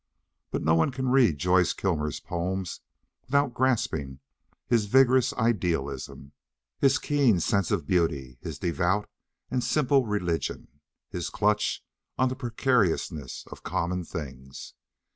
But no one can read Joyce Kilmer's poems without grasping his vigorous idealism, his keen sense of beauty, his devout and simple religion, his clutch on the preciousness of common things.